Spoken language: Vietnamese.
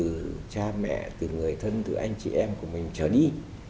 và yêu con người thì phải yêu từ cha mẹ từ người thân từ anh chị em của mình trở đi